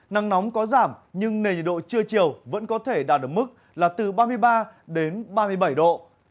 nắng nóng có giảm nhưng nền nhiệt độ trưa chiều vẫn có thể đạt được mức là từ ba mươi ba đến ba mươi bảy độ